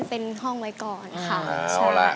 เป็นห้องไว้ก่อนค่ะ